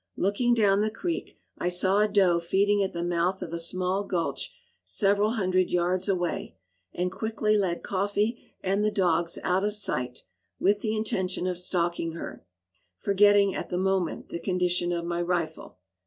Looking down the creek, I saw a doe feeding at the mouth of a small gulch several hundred yards away, and quickly led "Coffee" and the dogs out of sight, with the intention of stalking her, forgetting at the moment the condition of my rifle.